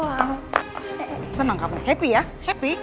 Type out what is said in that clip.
eh eh senang kamu happy ya happy